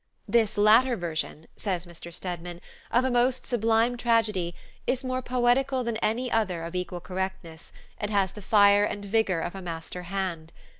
"This latter version," says Mr. Stedman, "of a most sublime tragedy is more poetical than any other of equal correctness, and has the fire and vigor of a master hand.